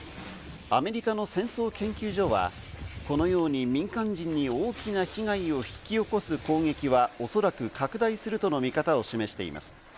アメリカの戦争研究所は、このように民間人に大きな被害を引き起こす攻撃はおそらく拡大するとの見方を示しています。